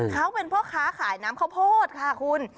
เขาเป็นพ่อค้าขายน้ำข้าวโพดค่ะคุณ